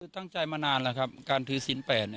ตั้งใจมานานแล้วครับการถือศิลป์